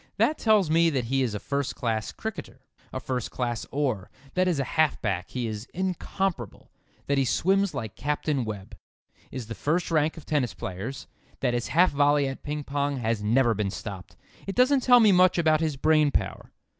That tells me that he is a first class cricketer; a first class oar; that as a half back he is incomparable; that he swims like Captain Webb; is in the first rank of tennis players; that his half volley at ping pong has never been stopped. It doesn't tell me much about his brain power.